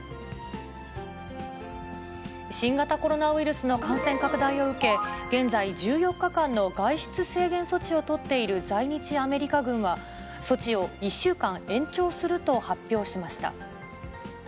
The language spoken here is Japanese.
新型コロナウイルスの感染拡大を受け、現在、１４日間の外出制限措置を取っている在日アメリカ軍は、措置を１週間、延長すると発表しました。